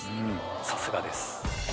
さすがです